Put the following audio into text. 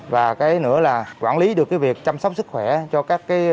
và cái nữa là quản lý được cái việc chăm sóc sức khỏe cho các người bị nhiễm